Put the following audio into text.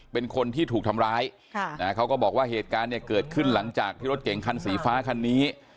เป็นคนที่ถูกทำร้ายเขาก็บอกว่าเหตุการณ์เนี่ยเกิดขึ้นหลังจากที่รถเก่งคันสีฟ้าคันนี้